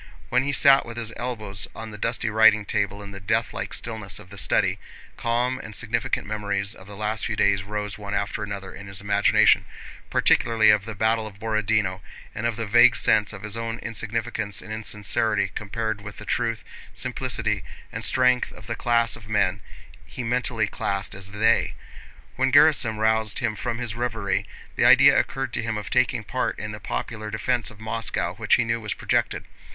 When he sat with his elbows on the dusty writing table in the deathlike stillness of the study, calm and significant memories of the last few days rose one after another in his imagination, particularly of the battle of Borodinó and of that vague sense of his own insignificance and insincerity compared with the truth, simplicity, and strength of the class of men he mentally classed as they. When Gerásim roused him from his reverie the idea occurred to him of taking part in the popular defense of Moscow which he knew was projected.